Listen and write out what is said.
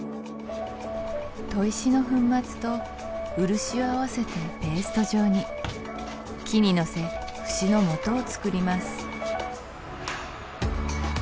砥石の粉末と漆を合わせてペースト状に木にのせ節のもとをつくります